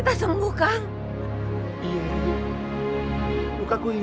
tapi tak punya kuil adanya tought